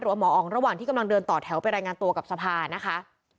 หมออ๋องระหว่างที่กำลังเดินต่อแถวไปรายงานตัวกับสภานะคะ